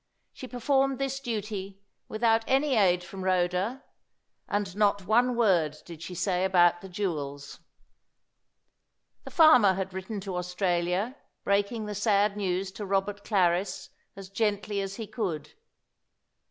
She performed this duty without any aid from Rhoda; and not one word did she say about the jewels. The farmer had written to Australia, breaking the sad news to Robert Clarris as gently as he could.